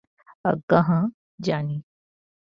আজ্ঞা হাঁ, জানি।